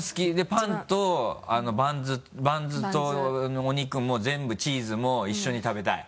パンとバンズとお肉も全部チーズも一緒に食べたい？